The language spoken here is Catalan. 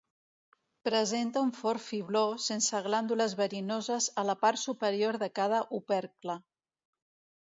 Presenta un fort fibló, sense glàndules verinoses, a la part superior de cada opercle.